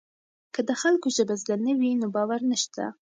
که د خلکو ژبه زده نه وي نو باور نشته.